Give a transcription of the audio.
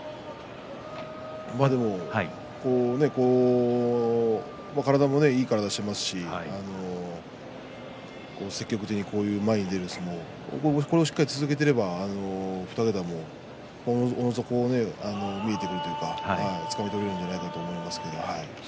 でもいい体をしていますし積極的に前に出る相撲を続けていれば２桁もおのずと見えてくるというか取れるんじゃないですか。